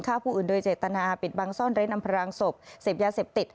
ฆ่าผู้อื่นโดยเจตนาปิดบังซ่อนเร้นอำพรางศพเสพยาเสพติด